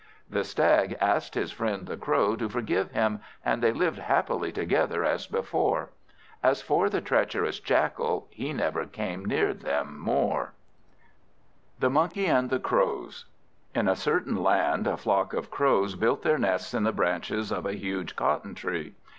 The Stag asked his friend the Crow to forgive him, and they lived happily together as before. As for the treacherous Jackal, he never came near them more. The Monkey and the Crows IN a certain land, a flock of Crows built their nests in the branches of a huge cotton tree.